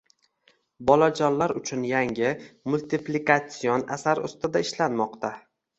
Bolajonlar uchun yangi multiplikatsion asar ustida ishlanmoqda